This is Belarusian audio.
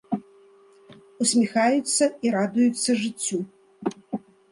Усміхаюцца і радуюцца жыццю.